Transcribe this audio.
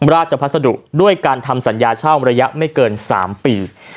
ราชพัสดุด้วยการทำสัญญาเช่าระยะไม่เกิน๓ปี